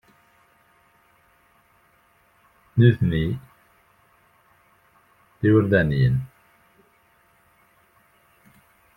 Nitni d iwerdaniyen.